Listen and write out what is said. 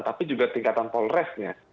tapi juga tingkatan polresnya